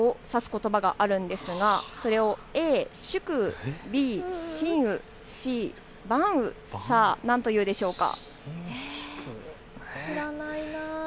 ことばがあるんですがそれをＡ宿雨、Ｂ寝雨、Ｃ晩雨、さあ何というでしょうか。